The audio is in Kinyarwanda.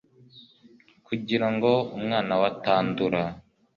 kugira ngo umwana we atandura